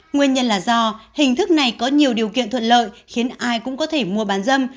nguyên nhân là do hình thức này có nhiều điều kiện thuận lợi khiến ai cũng có thể mua bán dâm